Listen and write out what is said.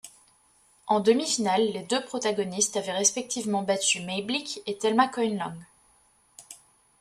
En demi-finale, les deux protagonistes avaient respectivement battu May Blick et Thelma Coyne Long.